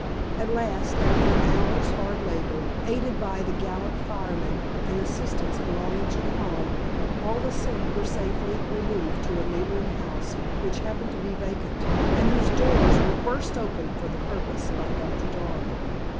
At last, after an hour's hard labor, aided by the gallant firemen and the assistants belonging to the Home, all the sick were safely removed to a neighboring house which happened to be vacant, and whose doors were burst open for the purpose by Doctor Darrow.